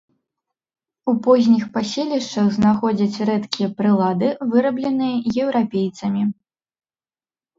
У позніх паселішчах знаходзяць рэдкія прылады, вырабленыя еўрапейцамі.